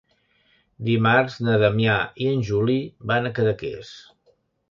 Dimarts na Damià i en Juli van a Cadaqués.